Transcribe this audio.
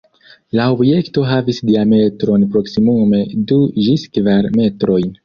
La objekto havis diametron proksimume du ĝis kvar metrojn.